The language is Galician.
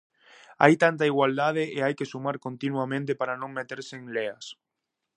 Hai tanta igualdade e hai que sumar continuamente para non meterse en leas.